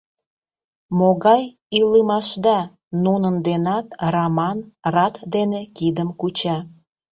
Могай илымашда? — нунын денат Раман рат дене кидым куча.